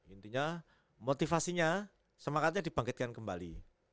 intinya motivasinya semangatnya dibangkitkan kembali